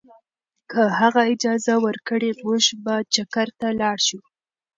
که هغه اجازه ورکړي، موږ به چکر ته لاړ شو.